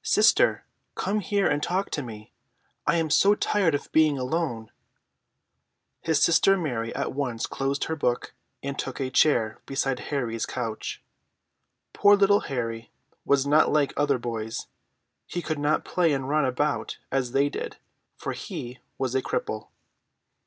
"Sister, come here and talk to me. I am so tired of being alone." His sister Mary at once closed her book, and took a chair beside Harry's couch. Poor little Harry was not like other boys. He could not play and run about as they did, for he was a cripple.